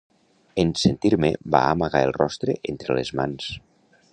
En sentir-me va amagar el rostre entre les mans.